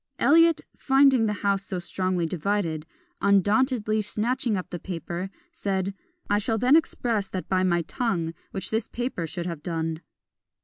Eliot, finding the house so strongly divided, undauntedly snatching up the paper, said, "I shall then express that by my tongue which this paper should have done."